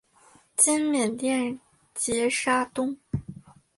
今缅甸杰沙东。